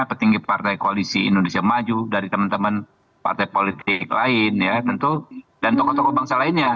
petinggi partai koalisi indonesia maju dari teman teman partai politik lain ya tentu dan tokoh tokoh bangsa lainnya